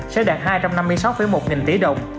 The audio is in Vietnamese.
sẽ đạt hai trăm năm mươi sáu một nghìn tỷ đồng